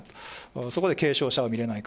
そこで軽症者を診れないか。